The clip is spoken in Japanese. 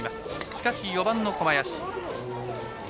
しかし、４番の小林。